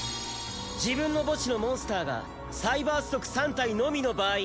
自分の墓地のモンスターがサイバース族３体のみの場合